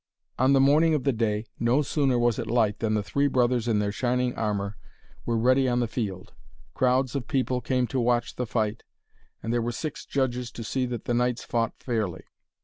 On the morning of the day, no sooner was it light than the three brothers in their shining armour were ready on the field. Crowds of people came to watch the fight, and there were six judges to see that the knights fought fairly.